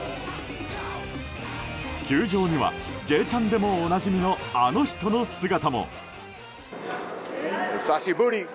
球場には「Ｊチャン」でもおなじみのあの人の姿も。